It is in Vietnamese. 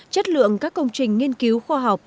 chất lượng các công trình nghiên cứu khoa học